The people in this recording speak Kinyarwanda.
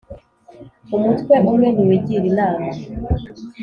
– umutwe umwe ntiwigira inama.